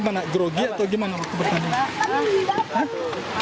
gimana gerogi atau gimana waktu pertandingan